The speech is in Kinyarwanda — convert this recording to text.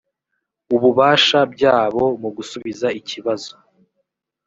ububasha byabo mu gusubiza ikibazo